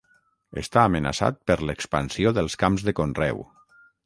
Està amenaçat per l'expansió dels camps de conreu.